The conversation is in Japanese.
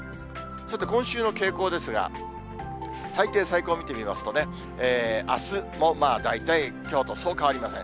さて今週の傾向なんですが、最低、最高見てみますとね、あすも大体きょうとそう変わりません。